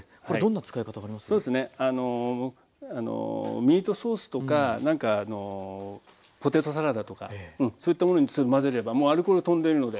ミートソースとかなんかポテトサラダとかそういったものに混ぜればもうアルコールとんでるので。